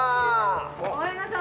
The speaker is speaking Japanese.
ごめんなさい。